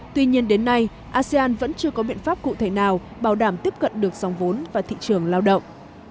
tuy nhiên đến nay asean vẫn chưa có biện pháp cụ thể nào bảo đảm tiếp cận được dòng vốn và thị trường lao động